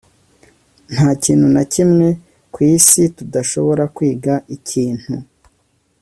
nta kintu na kimwe ku isi tudashobora kwiga ikintu